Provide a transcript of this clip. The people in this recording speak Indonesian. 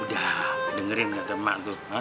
udah dengerin kata mak tuh